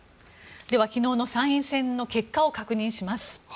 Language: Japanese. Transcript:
昨日の参院選の結果を確認します。